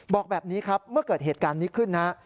บอกแบบนี้ครับเมื่อเกิดเหตุการณ์นี้ขึ้นนะฮะ